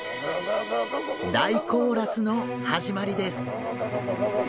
大コーラスの始まりです。